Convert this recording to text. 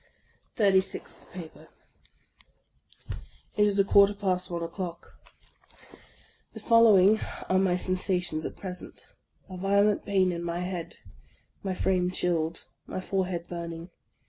THIRTY SIXTH PAPER IT is a quarter past one o'clock. The following are my sensations at present: a violent pain in my head, my frame chilled, my forehead burning.